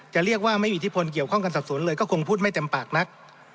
จะเรียกว่าไม่มีอิทธิพลเกี่ยวข้องกันสับสนเลยก็คงพูดไม่เต็มปากนัก